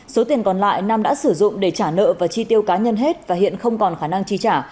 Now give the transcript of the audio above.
số tiền còn lại nam đã sử dụng để trả nợ và chi tiêu cá nhân hết và hiện không còn khả năng chi trả